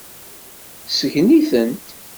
Sgen-itent.